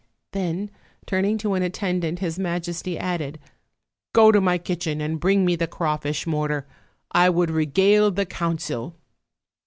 Then turning to an attendant his majesty added : "Go to my kitchen and bring the crawfish mortar; I would regale the council."